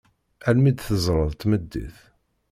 Almi i d-tezreɛ tmeddit.